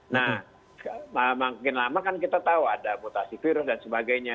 nah makin lama kan kita tahu ada mutasi virus dan sebagainya